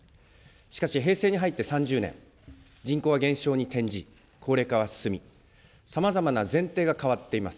しかし、平成に入って３０年、人口は減少に転じ、高齢化は進み、さまざまな前提が変わっています。